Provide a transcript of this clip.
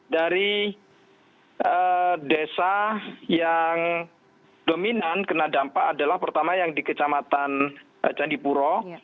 dari desa yang dominan kena dampak adalah pertama yang di kecamatan candipuro